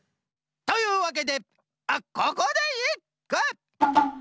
というわけでここでいっく！